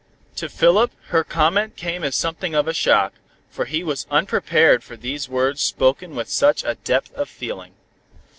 To Philip her comment came as something of a shock, for he was unprepared for these words spoken with such a depth of feeling.